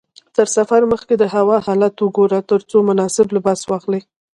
تر سفر مخکې د هوا حالت وګوره ترڅو مناسب لباس واخلې.